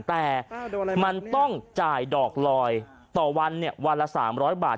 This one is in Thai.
แต่มันต้องจ่ายดอกลอยต่อวันวันละ๓๐๐บาท